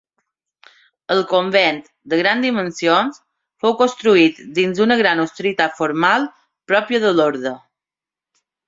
El convent, de grans dimensions, fou construït dins una gran austeritat formal, pròpia de l'orde.